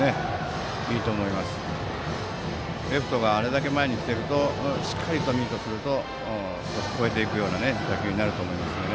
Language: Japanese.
レフトがあれだけ前に来ているとしっかりとミートすると越えていくような打球にあると思いますね。